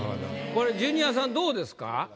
これジュニアさんどうですか？